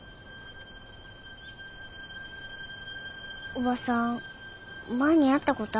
おばさん前に会ったことある？